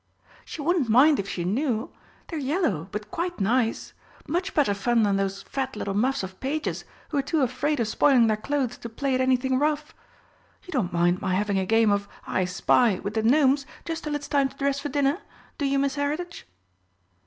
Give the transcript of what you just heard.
"She wouldn't mind if she knew. They're yellow but quite nice. Much better fun than those fat little muffs of pages, who are too afraid of spoiling their clothes to play at anything rough. You don't mind my having a game of 'I spy' with the Gnomes just till it's time to dress for dinner do you, Miss Heritage?"